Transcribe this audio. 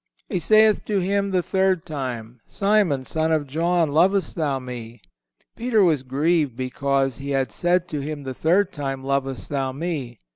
He saith to him the third time: Simon, son of John, lovest thou Me? Peter was grieved because He had said to him the third time: Lovest thou Me?